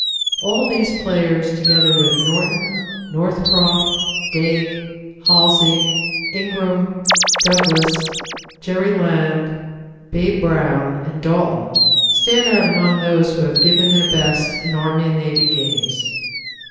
All these players, together with Norton, Northcroft, Dague, Halsey, Ingram, Douglas, Jerry Land, Babe Brown and Dalton stand out among those who have given their best in Army and Navy games.